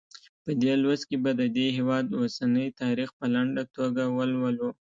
په دې لوست کې به د دې هېواد اوسنی تاریخ په لنډه توګه ولولو.